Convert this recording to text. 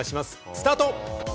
スタート！